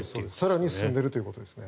更に進んでいるということですね。